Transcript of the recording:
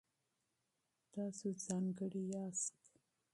تاسو ځانګړي یاست.